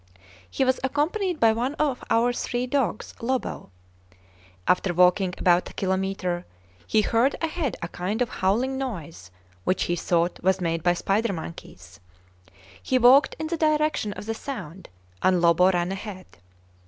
He was accompanied by one of our three dogs, Lobo. After walking about a kilometre he heard ahead a kind of howling noise, which he thought was made by spider monkeys. He walked in the direction of the sound and Lobo ran ahead.